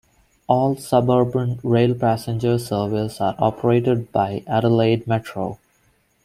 All suburban rail passenger services are operated by Adelaide Metro.